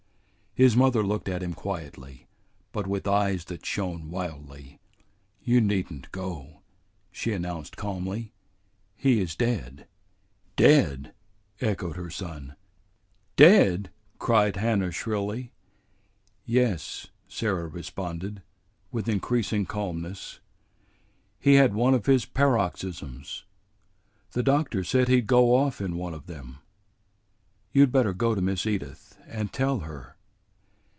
His mother looked at him quietly, but with eyes that shone wildly. "You need n't go," she announced calmly. "He is dead." "Dead!" echoed her son. "Dead!" cried Hannah shrilly. "Yes," Sarah responded, with increasing calmness. "He had one of his paroxysms. The doctor said he'd go off in one of them. You'd better go to Miss Edith and tell her."